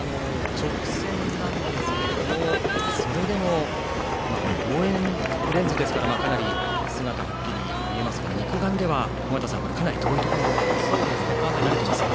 直線なんですけどもそれでも望遠レンズですからかなり姿は、はっきり見えますが肉眼では、かなり遠いところになってますかね。